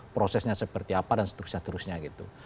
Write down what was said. prosesnya seperti apa dan seterusnya terusnya gitu